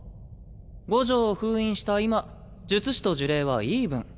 五条を封印した今術師と呪霊はイーブン。